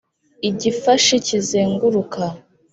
Igifashi kizenguruka,